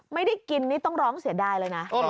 ไม่ได้กินนี่ต้องร้องเสียดายเลยนะ